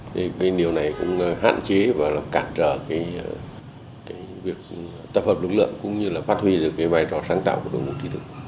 thì cái điều này cũng hạn chế và làm cản trở cái việc tập hợp lực lượng cũng như là phát huy được cái vai trò sáng tạo của đội ngũ trí thức